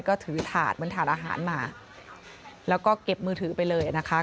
ก็ถือถาดเหมือนถาดอาหารมาแล้วก็เก็บมือถือไปเลยนะคะ